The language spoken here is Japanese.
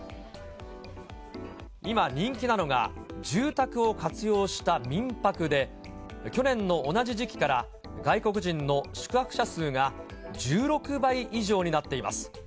今、人気なのが、住宅を活用した民泊で、去年の同じ時期から外国人の宿泊者数が１６倍以上になっています。